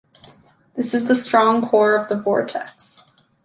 This is the strong core of the vortex.